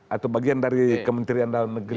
atau bagian dari kementerian dalam negeri